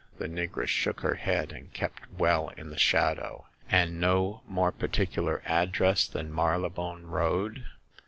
The negress shook her head, and kept well in the shadow. " And no more particular address than Mary lebone Road